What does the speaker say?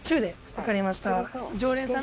わかりました。